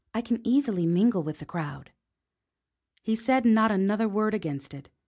"I can easily mingle with the crowd." He said not another word against it.